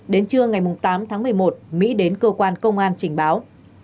đến trưa ngày tám tháng một mươi một mỹ đến cơ quan công an trình báo